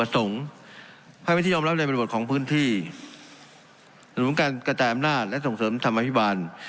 มาส่งให้พิธียอมรับได้เป็นบทของพื้นที่สนุนการกระแจอำนาจและส่งเสริมธรรมพิบัน